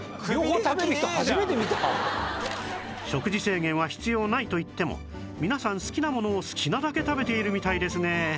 食事制限は必要ないといっても皆さん好きなものを好きなだけ食べているみたいですね